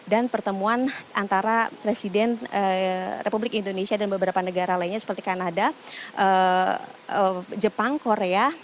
dan pertemuan antara presiden republik indonesia dan beberapa negara lainnya seperti kanada jepang korea